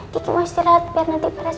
kiki mau istirahat biar nanti beres beres